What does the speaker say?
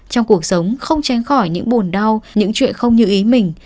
trong cuộc sống không tránh khỏi những bồn đau những chuyện không như ý mình